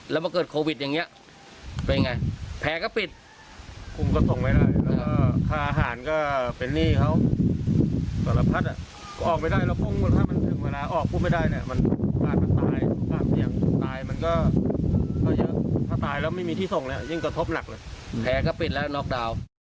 แล้วมันเกิดโควิดอย่างนี้ไปอย่างไรแพ้ก็ปิด